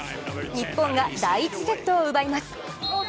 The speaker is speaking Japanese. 日本が第１セットを奪います。